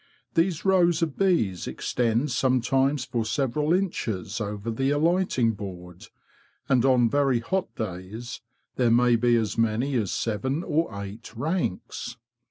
These rows of bees extend sometimes for several inches over the alighting board, and on very hot days there may be as many as seven or eight ranks.